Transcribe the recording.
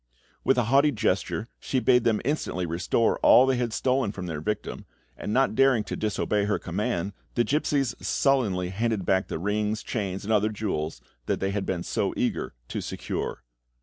With a haughty gesture she bade them instantly restore all they had stolen from their victim, and not daring to disobey her command, the gipsies sullenly handed back the rings, chains, and other jewels they had been so eager to secure.